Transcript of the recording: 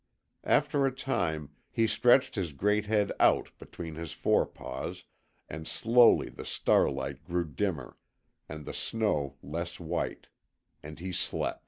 After a time he stretched his great head out between his fore paws, and slowly the starlight grew dimmer, and the snow less white, and he slept.